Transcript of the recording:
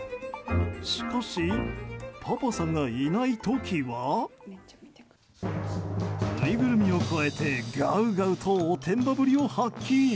しかし、パパさんがいない時はぬいぐるみをくわえてガウガウとおてんばぶりを発揮。